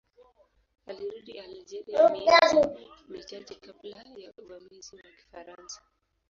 Alirudi Algeria miezi michache kabla ya uvamizi wa Kifaransa.